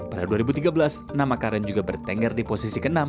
pada dua ribu tiga belas nama karen juga bertengger di posisi ke enam